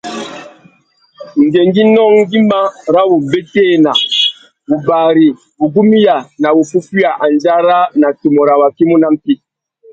Ngüéngüinô ngüimá râ wubétēna, wubari, wugumiya na wuffúffüiya andjara na tumu râ waki i mú nà mpí.